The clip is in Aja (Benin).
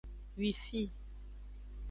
Wifi.